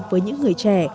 với những người trẻ